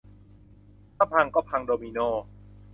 ถ้าพังก็พังโดมิโน